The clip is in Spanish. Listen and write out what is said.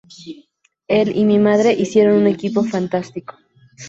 Él y mi madre hicieron un equipo fantástico.